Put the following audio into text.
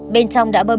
bên trong đã bơm